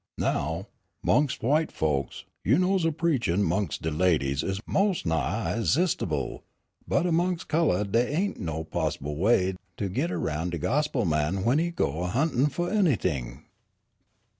"Now, 'mongst white folks, you knows a preachah 'mongst de ladies is mos' nigh i'sistible, but 'mongst col'ed dey ain't no pos'ble way to git erroun' de gospel man w'en he go ahuntin' fu' anything."